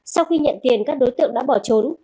sau khi nhận tiền các đối tượng đã bỏ trốn